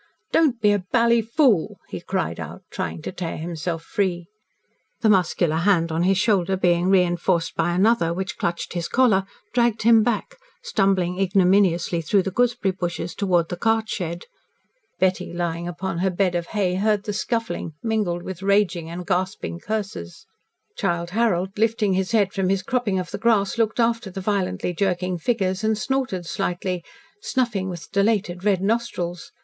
"Don't be a bally fool!" he cried out, trying to tear himself free. The muscular hand on his shoulder being reinforced by another, which clutched his collar, dragged him back, stumbling ignominiously through the gooseberry bushes towards the cart shed. Betty lying upon her bed of hay heard the scuffling, mingled with raging and gasping curses. Childe Harold, lifting his head from his cropping of the grass, looked after the violently jerking figures and snorted slightly, snuffing with dilated red nostrils.